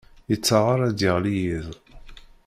Yettaɛar ad d-yeɣli yiḍ.